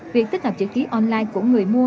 việc tích hợp chữ ký online của người mua